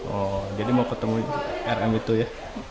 oh jadi mau ketemu rm itu ya